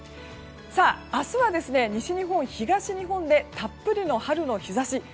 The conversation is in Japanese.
明日は西日本、東日本でたっぷりの春の日差し。